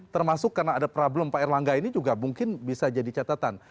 termasuk karena ada problem pak erlangga ini juga mungkin bisa jadi catatan